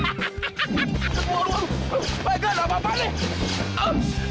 glenn jangan lari glenn